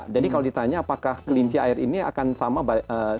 jadi kalau ditanya apakah kelinci air ini akan sama banyak dengan air